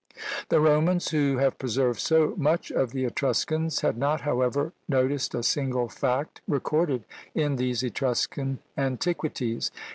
The Romans, who have preserved so much of the Etruscans, had not, however, noticed a single fact recorded in these Etruscan antiquities.